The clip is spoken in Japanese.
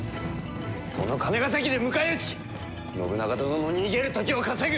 この金ヶ崎で迎え撃ち信長殿の逃げる時を稼ぐ！